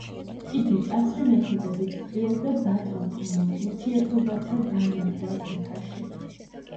იგი მკაცრი მეთოდებით ცდილობდა ბატონყმურ ურთიერთობათა დანერგვას მთაში.